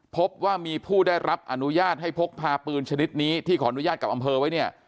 พบว่ามีผู้ได้รับอนุญาตให้พกพาปืนชนิดนี้ที่ขออนุญาตกับอำเภอไว้เนี่ย